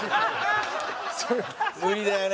無理だよね。